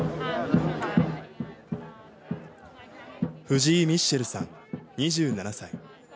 藤井ミッシェルさん２７歳。